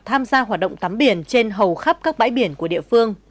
tham gia hoạt động tắm biển trên hầu khắp các bãi biển của địa phương